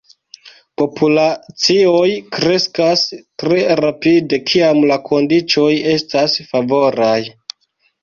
Populacioj kreskas tre rapide kiam la kondiĉoj estas favoraj.